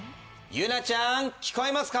ゆなちゃん聞こえますか？